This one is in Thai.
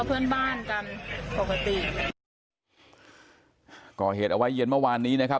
เพื่อนบ้านกันปกติก่อเหตุเอาไว้เย็นเมื่อวานนี้นะครับ